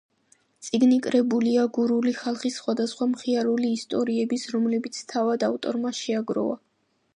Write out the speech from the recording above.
წიგნი კრებულია გურული ხალხის სხვადასხვა მხიარული ისტორიების, რომლებიც თავად ავტორმა შეაგროვა.